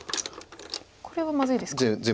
これはまずいですか。